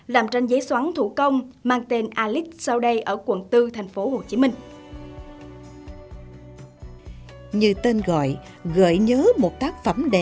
và tôi ở trong môi trường của những người khuyết tật